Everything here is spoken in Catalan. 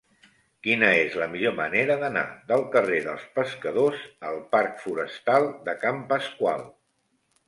Quina és la millor manera d'anar del carrer dels Pescadors al parc Forestal de Can Pasqual?